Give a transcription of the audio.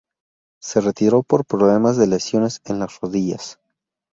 Se retiró por problemas de lesiones en las rodillas.